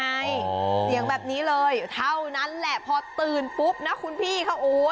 เสียงแบบนี้เลยเท่านั้นแหละพอตื่นปุ๊บนะคุณพี่เขาโอ้ย